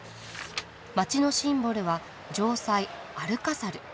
街のシンボルは城塞アルカサル。